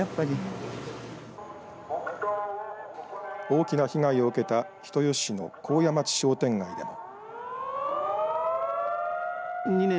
大きな被害を受けた人吉市の紺屋町商店街でも。